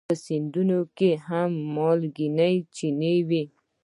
په سیندونو کې هم مالګینې چینې وي.